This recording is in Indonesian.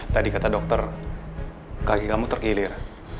tadi kata dokter kaki kamu tergilir